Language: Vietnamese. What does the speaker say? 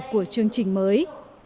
của chương trình mới